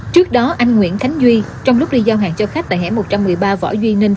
trước đó anh nguyễn khánh duy trong lúc đi giao hàng cho khách tại hẻ một trăm một mươi ba võ duy ninh